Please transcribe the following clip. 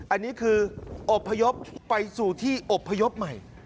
อันนี้คืออบพยพไปสู่ที่อบพยพใหม่